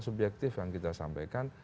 subjektif yang kita sampaikan